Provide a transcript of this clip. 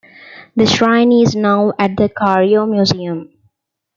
The shrine is now at the Cairo Museum.